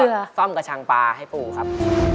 แล้วก็ซ่อมกระชังปลาให้ปู่ครับ